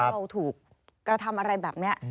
เราถูกกระทำอะไรแบบนี้